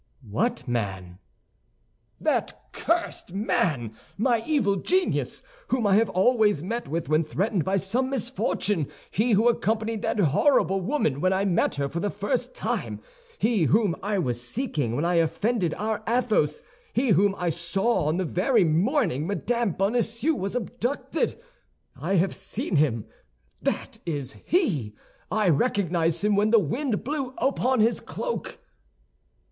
"What man?" "That cursed man, my evil genius, whom I have always met with when threatened by some misfortune, he who accompanied that horrible woman when I met her for the first time, he whom I was seeking when I offended our Athos, he whom I saw on the very morning Madame Bonacieux was abducted. I have seen him; that is he! I recognized him when the wind blew upon his cloak."